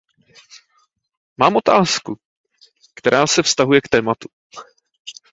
Mám otázku, která se vztahuje k tomuto tématu.